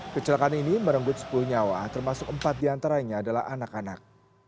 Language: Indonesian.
kecelakaan ini merenggut sepuluh nyawa termasuk empat diantaranya adalah anak anak